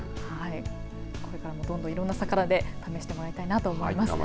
これからもどんどんいろんな魚で試してもらいたいなと思います。